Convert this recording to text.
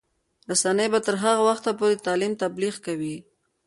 رسنۍ به تر هغه وخته پورې د تعلیم تبلیغ کوي.